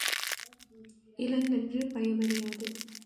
இளங்கன்று பயமறியாது.